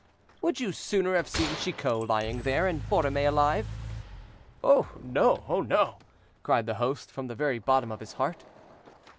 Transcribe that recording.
"Would you sooner have seen Chicot lying there, and Borromée alive?" "No, oh no!" cried the host, from the very bottom of his heart.